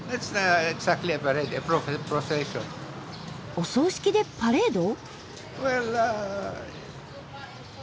お葬式でパレード？